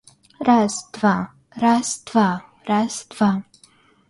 Раз, два! Раз, два! Раз два!